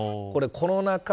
コロナ禍